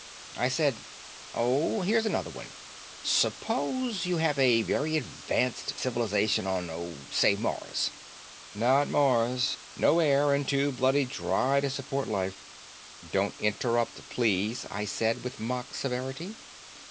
I said, "Or, here's another one. Suppose you have a very advanced civilization on, say, Mars." "Not Mars. No air, and too bloody dry to support life." "Don't interrupt, please," I said with mock severity.